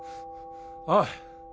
おい。